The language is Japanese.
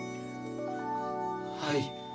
はい。